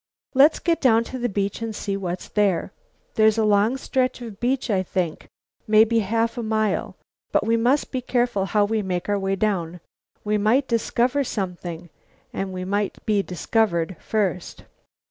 "Let's get down to the beach and see what's there. There's a long stretch of beach, I think, maybe half a mile. But we must be careful how we make our way down. We might discover something and we might be discovered first."